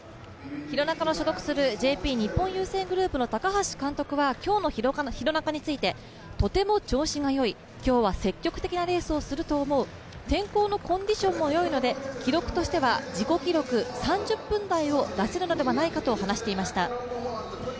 廣中の所属するＪＰ日本郵政グループの監督は今日の廣中について、とても調子がよい、今日は積極的なレースをすると思う、天候のコンディションもよいので記録としては３０分台を出せるのではないかと話していました。